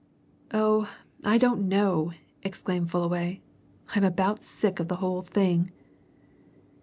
"Oh, I don't know!" exclaimed Fullaway. "I'm about sick of the whole thing."